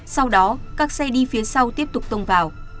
sau đó các xe đi phía sau tiếp tục tông vào